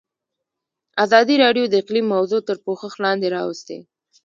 ازادي راډیو د اقلیم موضوع تر پوښښ لاندې راوستې.